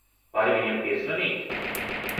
Vari viņam piezvanīt?